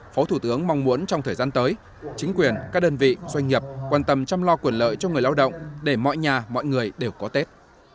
phó thủ tướng mong muốn trong thời gian tới chính quyền các đơn vị doanh nghiệp quan tâm chăm lo quyền lợi cho người lao động để mọi nhà mọi người đều có tết